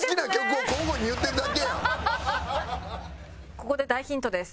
ここで大ヒントです。